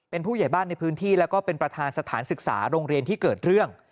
เป็นผู้ใหญ่บ้านในพื้นที่แล้วก็เป็นประธานสถานศึกษาโรงเรียนที่เกิดเรื่อง